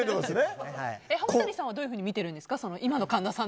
浜谷さんはどういうふうに見ているんですか？